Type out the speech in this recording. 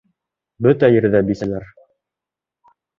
Бөтә ерҙә бисәләр.